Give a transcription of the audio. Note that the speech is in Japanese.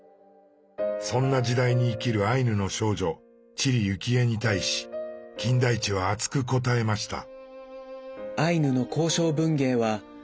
そんな時代に生きるアイヌの少女知里幸恵に対し金田一は熱く答えました。